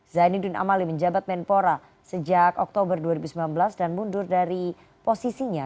zainuddin amali menjabat menpora sejak oktober dua ribu sembilan belas dan mundur dari posisinya